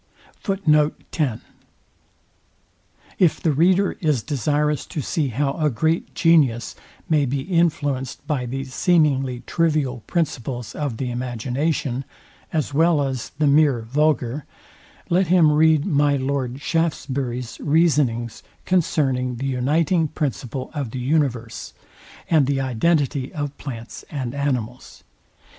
If the reader is desirous to see how a great genius may be influencd by these seemingly trivial principles of the imagination, as well as the mere vulgar, let him read my Lord SHAFTSBURY'S reasonings concerning the uniting principle of the universe, and the identity of plants and animals.